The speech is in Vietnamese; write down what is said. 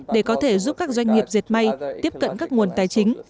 để có thể giúp các doanh nghiệp dệt may tiếp cận các nguồn tài chính